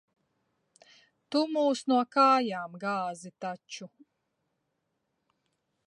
Tu mūs no kājām gāzi taču.